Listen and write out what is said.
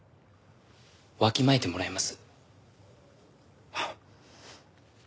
わきまえてもらいます。